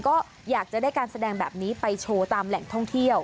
ก็อยากจะได้การแสดงแบบนี้ไปโชว์ตามแหล่งท่องเที่ยว